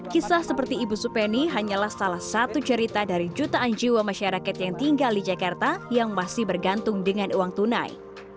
kisah seperti ibu supeni hanyalah salah satu cerita dari jutaan jiwa masyarakat yang tinggal di jakarta yang masih bergantung dengan uang tunai